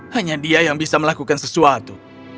hanya dia yang bisa melakukan sesuatu